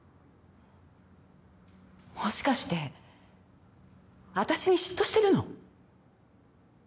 もしかして私に嫉妬してるの？